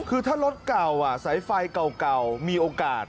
คือถ้ารถเก่าสายไฟเก่ามีโอกาส